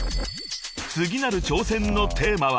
［次なる挑戦のテーマは］